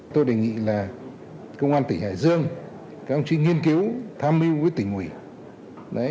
tôi đề nghị là công an tỉnh hải dương các ông chí nghiên cứu tham mưu với tỉnh ủy